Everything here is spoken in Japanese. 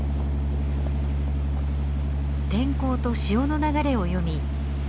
天候と潮の流れを読み